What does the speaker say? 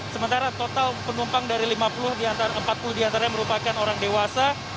sementara total penumpang dari lima puluh diantara empat puluh diantaranya merupakan orang dewasa